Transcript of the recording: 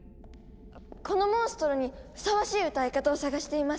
このモンストロにふさわしい歌い方を探しています。